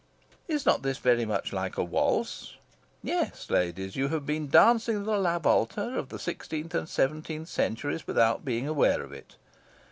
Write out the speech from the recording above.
Is not this very much like a waltz? Yes, ladies, you have been dancing the lavolta of the sixteenth and seventeenth centuries without being aware of it.